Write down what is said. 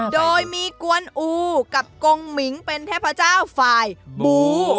โดยมีกวนอูกับกงหมิงเป็นเทพเจ้าฝ่ายบู